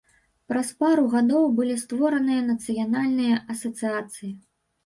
Праз пару гадоў былі створаныя нацыянальныя асацыяцыі.